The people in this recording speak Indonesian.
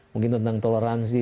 mungkin tentang toleransi